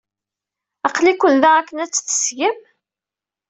Aql-iken da akken ad tsetgem?